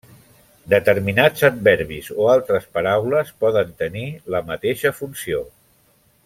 Determinats adverbis o altres paraules poden tenir la mateixa funció.